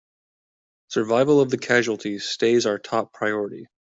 Survival of the casualties stays our top priority!